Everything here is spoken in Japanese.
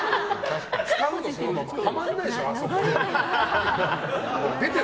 ハマらないでしょ、あそこに。